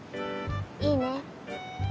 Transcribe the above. いいね。